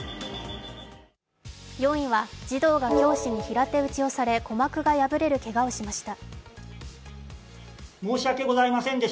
４位は児童が教師に平手打ちをされ鼓膜が破れるけがをしました。